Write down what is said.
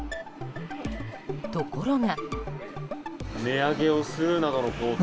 ところが。